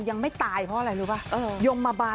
ยังไม่ตายเพราะอะไรรู้ป่ะยมมาบาน